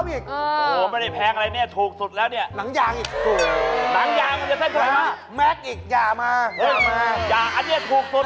หย่าอันเนี่ยถูกสุด